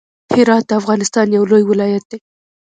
هرات د افغانستان يو لوی ولايت دی.